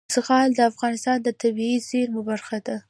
زغال د افغانستان د طبیعي زیرمو برخه ده.